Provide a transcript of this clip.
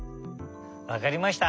わかりました。